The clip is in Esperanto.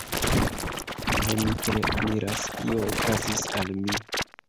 Ho, mi tre miras kio okazis al mi.